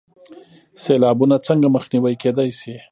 سیلابونه څنګه مخنیوی کیدی شي؟